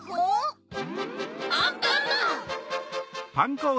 ・アンパンマン！